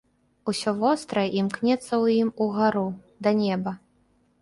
Усё вострае імкнецца ў ім угару, да неба.